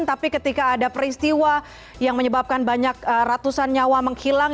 tapi ketika ada peristiwa yang menyebabkan banyak ratusan nyawa menghilang